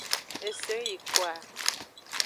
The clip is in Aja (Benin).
Eseyingkoa.